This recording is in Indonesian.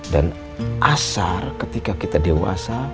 dan asar ketika kita dewasa